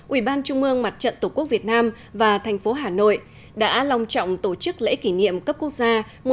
ủy ban trung mương mặt trận tổ quốc việt nam và thành phố hà nội đã long trọng tổ chức lễ kỷ niệm cấp quốc gia